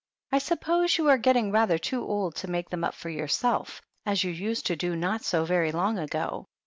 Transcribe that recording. I suppose you are getting rather too old to make them up for your self, as you used to do not so very long ago.